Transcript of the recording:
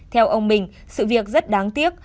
theo ông bình sự việc rất đáng tiếc